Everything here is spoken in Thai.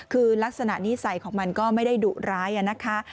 คือลักษณะนิสัยของมันก็ไม่ได้ดุร้ายนะคะ